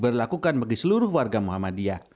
berlakukan bagi seluruh warga muhammadiyah